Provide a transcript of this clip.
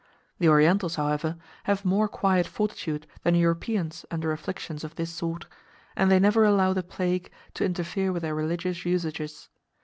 The Orientals, however, have more quiet fortitude than Europeans under afflictions of this sort, and they never allow the plague to interfere with their religious usages.